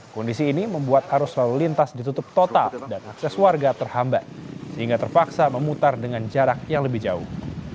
kondisi ini membuat arus lalu lintas ditutup total dan akses warga terhambat sehingga terpaksa memutar dengan jarak yang lebih jauh